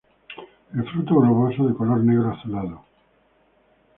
El fruto globoso, de color negro azulado.